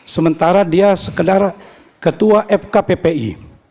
sementara dia sekedar ketua fkppi